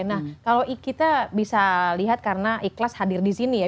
nah kalau kita bisa lihat karena ikhlas hadir di sini ya